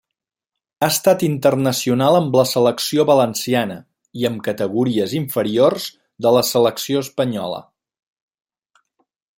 Ha estat internacional amb la selecció valenciana i amb categories inferiors de la selecció espanyola.